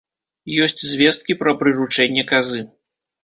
Ёсць звесткі пра прыручэнне казы.